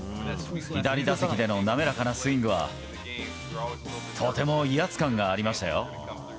左打席での滑らかなスイングはとても威圧感がありましたよ。